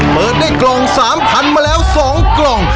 เปิดได้กล่อง๓๐๐๐มาแล้ว๒กล่อง